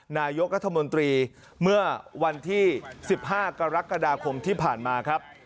นายกรัฐมนตรีเมื่อวันที่๑๕กรกฎาคมที่ผ่านมาครับ